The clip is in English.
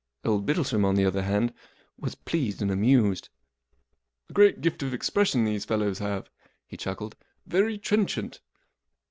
Old Bittlesham, on the other hand, was pleased and amused. 44 A great gift of expression these fellows have," he chuckled. 44 Very trenchant."